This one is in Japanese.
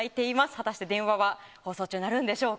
果たして電話は放送中に鳴るんでしょうか。